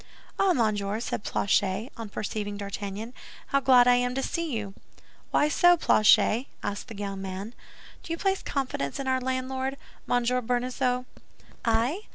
"Ah, monsieur," said Planchet, on perceiving D'Artagnan, "how glad I am to see you." "Why so, Planchet?" asked the young man. "Do you place confidence in our landlord—Monsieur Bonacieux?" "I?